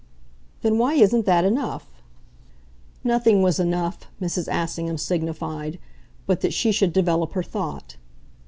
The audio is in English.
"Then why isn't that enough?" Nothing was enough, Mrs. Assingham signified, but that she should develop her thought.